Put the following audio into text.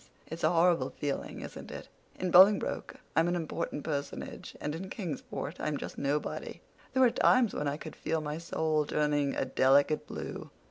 It's a horrible feeling, isn't it? In Bolingbroke I'm an important personage, and in Kingsport I'm just nobody! There were times when I could feel my soul turning a delicate blue.